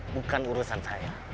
bukan urusan saya